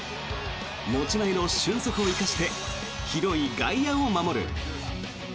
持ち前の俊足を生かして広い外野を守る。